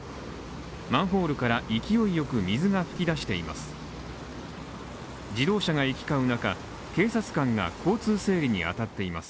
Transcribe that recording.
マンホールから勢いよく水が噴き出しています。